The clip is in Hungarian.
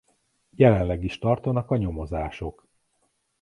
Jelenleg is tartanak a nyomozások.